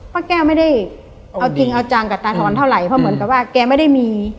ป้าแก้วไม่ได้เอาจริงเอาจังกับตาทอนเท่าไหร่เพราะเหมือนกับว่าแกไม่ได้มี